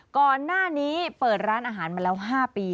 ก่อนหน้านี้เปิดร้านอาหารมาแล้ว๕ปี